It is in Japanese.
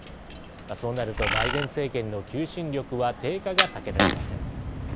そうなるとバイデン政権の求心力は低下が避けられません。